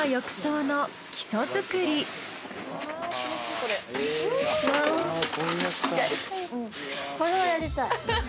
これはやりたい。